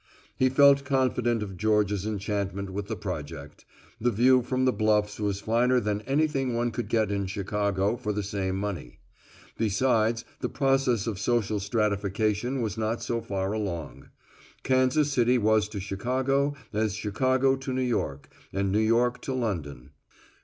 He felt confident of Georgia's enchantment with the project. The view from the bluffs was finer than anything one could get in Chicago for the same money. Besides the process of social stratification was not so far along. Kansas City was to Chicago as Chicago to New York, and New York to London.